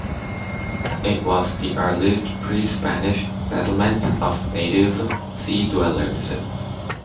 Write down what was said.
It was the earliest pre-Spanish settlement of native sea dwellers.